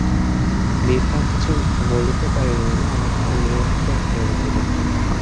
বিভা কিছু বলিতে পারিল না, অনেকক্ষণ নিরুত্তর হইয়া রহিল।